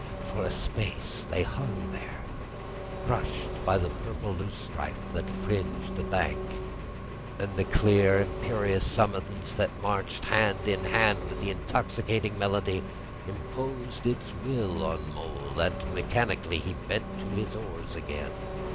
For a space they hung there, brushed by the purple loose strife that fringed the bank; then the clear imperious summons that marched hand in hand with the intoxicating melody imposed its will on Mole, and mechanically he bent to his oars again.